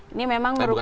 ini memang merupakan